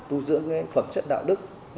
tu dưỡng cái phẩm chất đạo đức